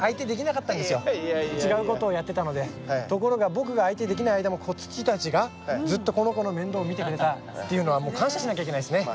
ところが僕が相手できない間も土たちがずっとこの子の面倒見てくれたっていうのはもう感謝しなきゃいけないですね。